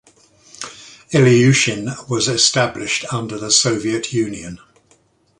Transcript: Ilyushin was established under the Soviet Union.